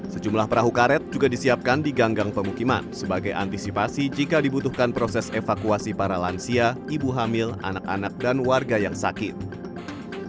sejumlah perahu karet juga disiapkan di ganggang pemukiman sebagai antisipasi jika dibutuhkan proses evakuasi para lansia ibu hamil anak anak dan warga yang terlalu terlalu terlalu terlalu terlalu terlalu